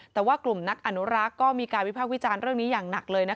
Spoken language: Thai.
แต่ว่ากลุ่มนักอนุรักษ์ก็มีการวิพากษ์วิจารณ์เรื่องนี้อย่างหนักเลย